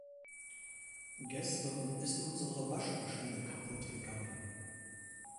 Gestern ist unsere Waschmaschine kaputt gegangen.